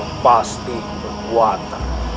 itu pasti berkuatan